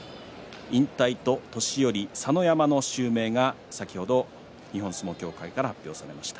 引退と年寄佐ノ山の襲名が先ほど日本相撲協会から発表されました。